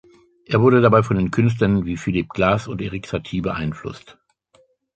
Er wurde dabei von Künstlern wie Philip Glass und Erik Satie beeinflusst.